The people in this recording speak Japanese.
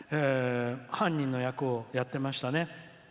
犯人の役をやってましたね。